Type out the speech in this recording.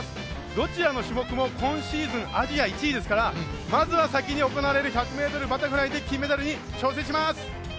どちらの種目も今シーズン、アジア１位ですからまずは１００ｍバタフライで金メダルに挑戦します。